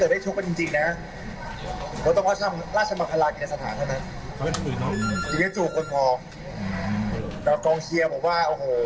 แต่ว่ากองเชียร์บอกว่า